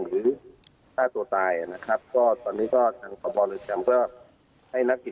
อุตสาหกกพลครับตัวนี้